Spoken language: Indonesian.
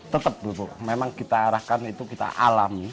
tetap memang kita arahkan itu kita alami